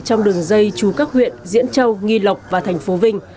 trong đường dây chú các huyện diễn châu nghi lộc và thành phố vinh